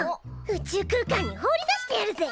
宇宙空間に放り出してやるぜ！